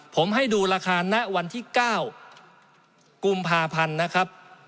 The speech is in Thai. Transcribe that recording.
ผมให้ดูราคาณวันที่๙กุมภาพันธ์นะครับ